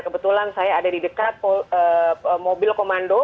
kebetulan saya ada di dekat mobil komando